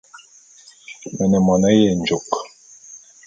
Me ne mone yenjôk.